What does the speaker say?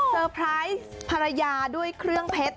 ไพรส์ภรรยาด้วยเครื่องเพชร